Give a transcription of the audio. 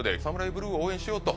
ブルーを応援しようと。